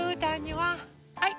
はい。